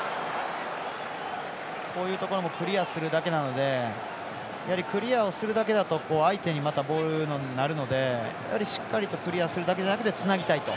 こういうところもクリアするだけなのでやはりクリアをするだけだと相手ボールになるのでしっかりとクリアするだけじゃなくてつなぎたいと。